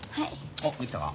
おっできたか。